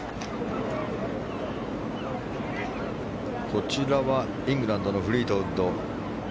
こちらはイングランドのフリートウッド。